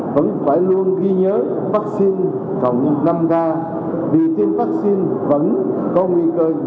vẫn phải luôn ghi nhớ vaccine cộng năm k vì tiêm vaccine vẫn có nguy cơ nhiễm